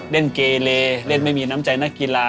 เล่นเกเลเล่นไม่มีน้ำใจนักกีฬา